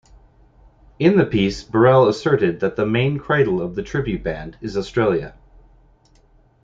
In the piece, Barrell asserted that the main cradle of the tribute band...is Australia.